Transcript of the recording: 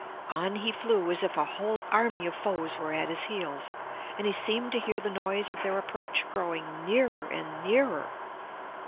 On he flew as if a whole army of foes were at his heels, and he seemed to hear the noise of their approach growing nearer and nearer.